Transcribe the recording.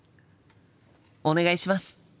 お願いします！